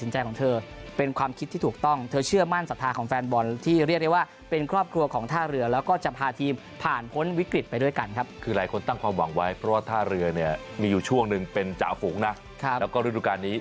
จะเป็นจ่าฝูงนะแล้วก็ฤดูการนี้